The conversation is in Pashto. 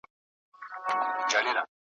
په نصیب دي د هغه جهان خواري ده ,